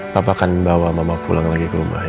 papa akan bawa mama pulang lagi ke rumahnya